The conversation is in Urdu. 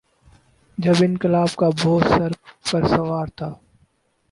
جب انقلاب کا بھوت سر پہ سوار تھا۔